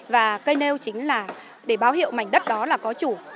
và cây nêu chính là để báo hiệu mảnh đất đó là có chủ